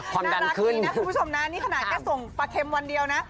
น่ารักดีนะคุณผู้ชมนะนี่ขนาดแค่ส่งปลาเค็มวันเดียวนะ